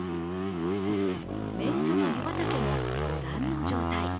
名所の湯畑も、ご覧の状態。